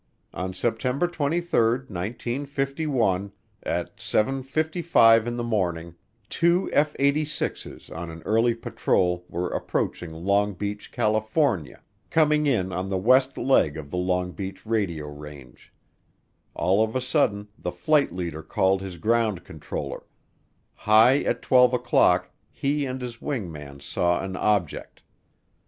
On September 23, 1951, at seven fifty five in the morning, two F 86's on an early patrol were approaching Long Beach, California, coming in on the west leg of the Long Beach Radio range. All of a sudden the flight leader called his ground controller high at twelve o'clock he and his wing man saw an object.